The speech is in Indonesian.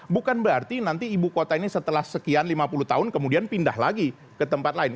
bukan berarti nanti ibu kota ini setelah sekian lima puluh tahun kemudian pindah lagi ke tempat lain